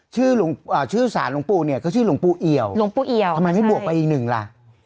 ชื่อสารหลวงปู่ก็ชื่อหลวงปู่เอียวทำไมไม่บวกไปอีกหนึ่งล่ะ